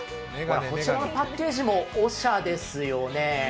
こちらのパッケージもオシャですよね。